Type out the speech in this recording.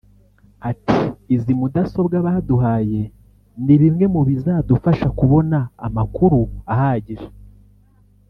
Ati “Izi mudasobwa baduhaye ni bimwe mu bizadufasha kubona amakuru ahagije